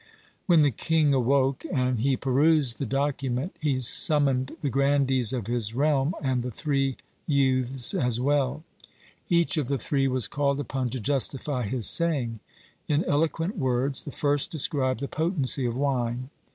When the king awoke, and he perused the document, he summoned the grandees of his realm and the three youths as well. Each of the three was called upon to justify his saying. In eloquent words the first described the potency of wine.